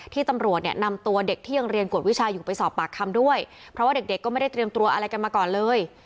ตำรวจเนี่ยนำตัวเด็กที่ยังเรียนกวดวิชาอยู่ไปสอบปากคำด้วยเพราะว่าเด็กเด็กก็ไม่ได้เตรียมตัวอะไรกันมาก่อนเลย